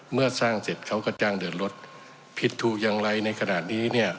เมื่อสร้างเสร็จเขาก็จ้างเดินรถผิดถูกอย่างไรในขณะนี้เนี่ย